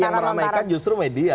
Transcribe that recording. yang meramaikan justru media